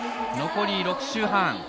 残り６周半。